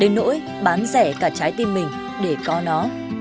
nỗi bán rẻ cả trái tim mình để có nó